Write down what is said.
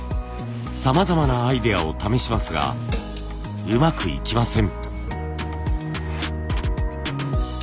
さまざまなアイデアを試しますがうまくいきません。